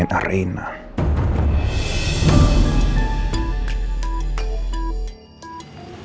ketika rina pergi ke tempat yang sama